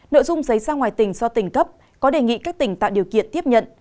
nội dung giấy ra ngoài tỉnh do tỉnh cấp có đề nghị các tỉnh tạo điều kiện tiếp nhận